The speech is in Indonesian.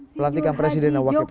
pelantikan presiden dan wakil presiden